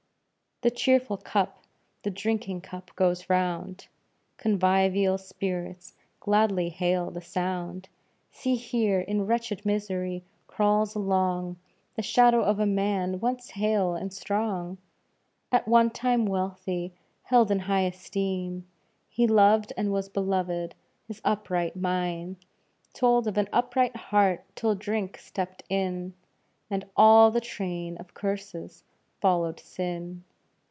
"The cheerful cup, the drinking cup, goes round!' Convivial spirits gladly hail the sound. See here, in wretched misery, crawls along The shadow of a man once hale and strong, At one time wealthy held in high esteem; He loved, and was beloved his upright mien Told of an upright heart, till drink stepped in, And all the train of curses following sin.